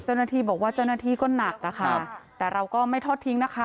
เจ้าหน้าที่บอกว่าเจ้าหน้าที่ก็หนักอะค่ะแต่เราก็ไม่ทอดทิ้งนะคะ